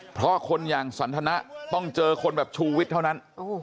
เพราะคนอย่างสันทนะต้องเจอคนแบบชูวิทย์เท่านั้น